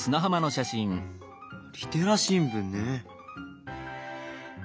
リテラ新聞ね。